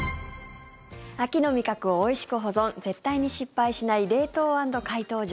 秋の味覚をおいしく保存絶対に失敗しない冷凍＆解凍術。